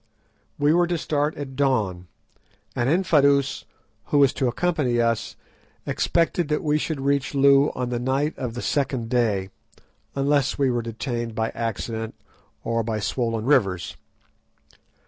We were to start at dawn; and Infadoos, who was to accompany us, expected that we should reach Loo on the night of the second day, unless we were detained by accident or by swollen rivers.